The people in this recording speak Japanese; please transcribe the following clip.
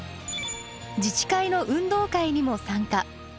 自治会の運動会にも参加。